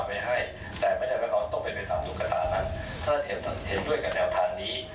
ไปให้แต่ไม่ได้ไปเอาต้องเป็นไปตามตุ๊กตานั้นถ้าเห็นเห็นด้วยกับแนวทางนี้